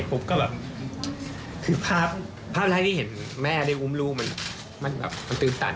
ปุ๊บก็แบบคือภาพแรกที่เห็นแม่ได้อุ้มลูกมันแบบมันตื่นตัน